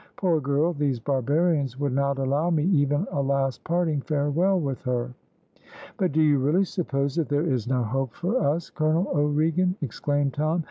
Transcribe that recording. "Poor girl, these barbarians would not allow me even a last parting farewell with her." "But do you really suppose that there is no hope for us, Colonel O'Regan?" exclaimed Tom.